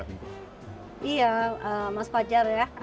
iya mas fajar ya